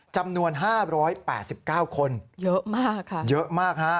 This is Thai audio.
จำนวน๕๘๙คนเยอะมากค่ะ